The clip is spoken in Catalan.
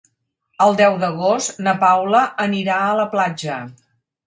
El deu d'agost na Paula anirà a la platja.